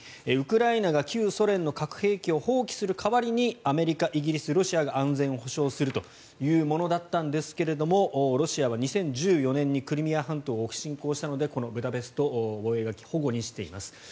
ウクライナが旧ソ連の核兵器を放棄する代わりにアメリカ、イギリス、ロシアが安全を保障するというものだったんですがロシアは２０１４年にクリミア半島を侵攻したのでこのブダペスト覚書を反故にしています。